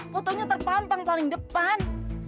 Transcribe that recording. fotonya terpampang paling depan